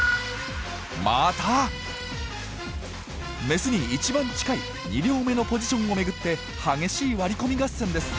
メスに一番近い２両目のポジションを巡って激しい割り込み合戦です。